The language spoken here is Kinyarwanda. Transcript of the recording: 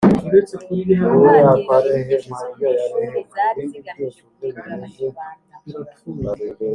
Mu ntangiriro inyigisho zo mu ishuri zari zigamije guhindura Abanyarwanda